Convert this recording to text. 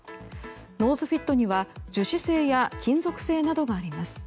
ノーズフィットには樹脂製や金属製などがあります。